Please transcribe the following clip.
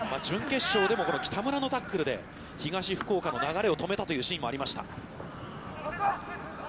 準決勝でも、北村のタックルで東福岡の流れを止めたシーンもありました。